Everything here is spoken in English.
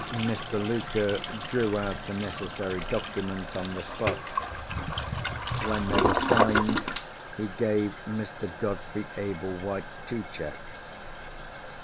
Mr. Luker drew out the necessary documents on the spot. When they were signed, he gave Mr. Godfrey Ablewhite two cheques.